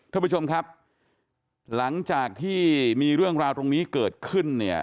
ท่านผู้ชมครับหลังจากที่มีเรื่องราวตรงนี้เกิดขึ้นเนี่ย